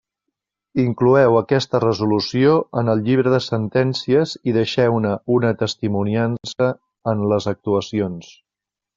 Incloeu aquesta resolució en el llibre de sentències i deixeu-ne una testimoniança en les actuacions.